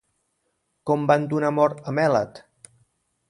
Com van donar mort a Mèlet?